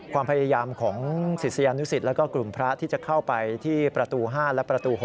ความพยายามของศิษยานุสิตแล้วก็กลุ่มพระที่จะเข้าไปที่ประตู๕และประตู๖